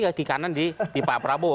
kaki kanan di pak prabowo